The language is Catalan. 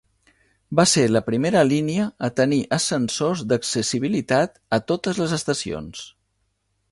Va ser la primera línia a tenir ascensors d'accessibilitat a totes les estacions.